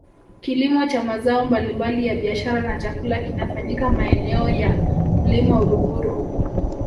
kilimo cha mazao mbalimbali ya biashara na chakula kinafanyika maeneo ya mlima uluguru